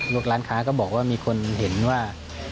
ร้านค้าก็บอกว่ามีคนเห็นว่า